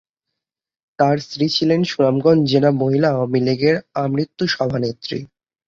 তার স্ত্রী ছিলেন সুনামগঞ্জ জেলা মহিলা আওয়ামী লীগের আমৃত্যু সভানেত্রী।